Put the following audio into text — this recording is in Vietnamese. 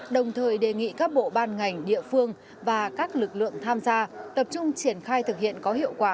đồng thời đề nghị các bộ ban ngành địa phương và các lực lượng tham gia tập trung triển khai thực hiện có hiệu quả